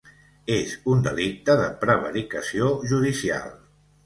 És un delicte de prevaricació judicial.